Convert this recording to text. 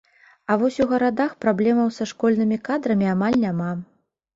А ў вось у гарадах праблемаў са школьнымі кадрамі амаль няма.